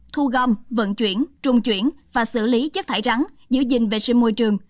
thu gom vận chuyển trung chuyển và xử lý chất thải rắn giữ gìn vệ sinh môi trường